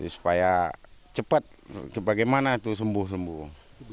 supaya cepat bagaimana itu sembuh sembuh